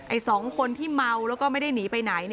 ๒คนที่เมาแล้วก็ไม่ได้หนีไปไหน